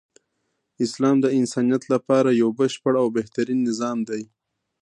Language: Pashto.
اسلام د انسانیت لپاره یو بشپړ او بهترین نظام دی .